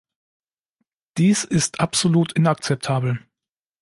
Dies ist absolut inakzeptabel.